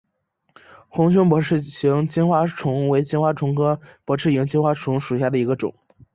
红胸薄翅萤金花虫为金花虫科薄翅萤金花虫属下的一个种。